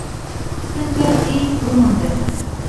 _څنګه دې وموند؟